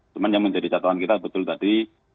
cuma yang menjadi catatan kita betul tadi